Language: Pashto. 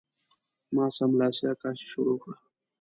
ما سملاسي عکاسي شروع کړه.